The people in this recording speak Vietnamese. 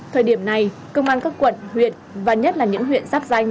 thời điểm này công an các quận huyện và nhất là những huyện giáp danh